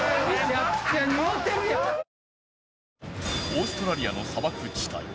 ［オーストラリアの砂漠地帯］